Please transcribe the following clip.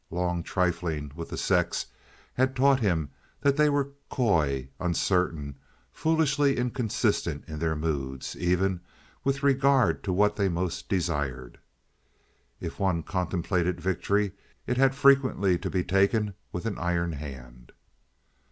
Long trifling with the sex had taught him that they were coy, uncertain, foolishly inconsistent in their moods, even with regard to what they most desired. If one contemplated victory, it had frequently to be taken with an iron hand.